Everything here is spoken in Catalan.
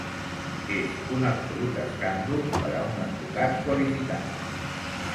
És un absolut escàndol per a un advocat qualificat.